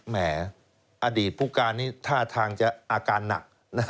แหมอดีตผู้การนี้ท่าทางจะอาการหนัก